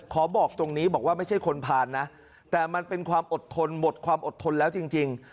บอกตรงนี้บอกว่าไม่ใช่คนผ่านนะแต่มันเป็นความอดทนหมดความอดทนแล้วจริง